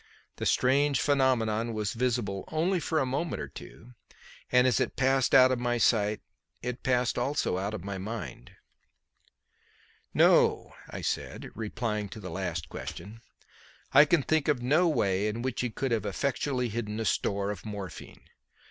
The strange phenomenon was visible only for a moment or two, and as it passed out of my sight it passed also out of my mind. "No," I said, replying to the last question; "I can think of no way in which he could have effectually hidden a store of morphine.